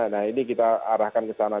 nah ini kita arahkan ke sana